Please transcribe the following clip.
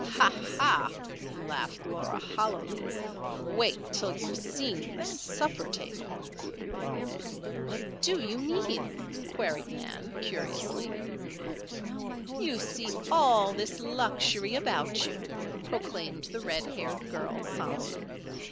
"Ha! ha!" laughed Laura, hollowly. "Wait till you have seen the supper table." "What do you mean?" queried Nan, curiously. "You see all this luxury about you," proclaimed the red haired girl, solemnly.